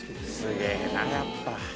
すげえなやっぱ。